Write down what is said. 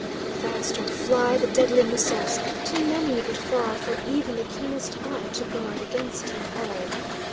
Faster fly the deadly missiles, too many by far for even the keenest eye to guard against them all.